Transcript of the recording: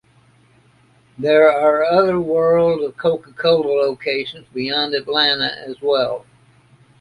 There are other World of Coca-Cola locations beyond Atlanta as well.